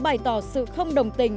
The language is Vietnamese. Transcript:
bày tỏ sự không đồng tình